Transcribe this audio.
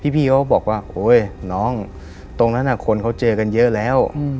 พี่เขาบอกว่าโอ๊ยน้องตรงนั้นคนเขาเจอกันเยอะแล้ว